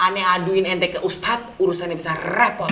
aneh aduin ente ke ustadz urusan ini bisa rapot